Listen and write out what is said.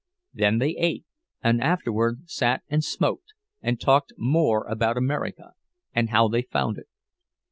Then they ate, and afterward sat and smoked and talked more about America, and how they found it.